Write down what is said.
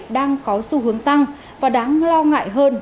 đang có xu hướng tăng và đáng lo ngại hơn